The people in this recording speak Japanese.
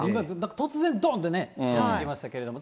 突然、どんってね、秋来ましたけれども。